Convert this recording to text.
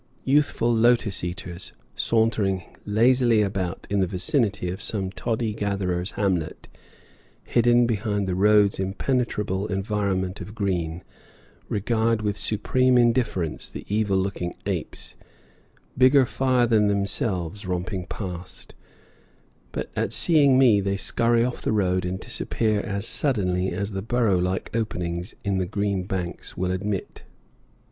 Youthful lotus eaters, sauntering lazily about in the vicinity of some toddy gatherer's hamlet, hidden behind the road's impenetrable environment of green, regard with supreme indifference the evil looking apes, bigger far than themselves, romping past; but at seeing me they scurry off the road and disappear as suddenly as the burrow like openings in the green banks will admit.